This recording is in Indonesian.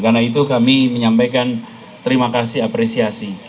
karena itu kami menyampaikan terima kasih apresiasi